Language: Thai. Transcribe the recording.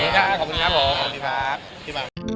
ขอบคุณแหละขอบคุณครับผม